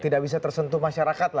tidak bisa tersentuh masyarakat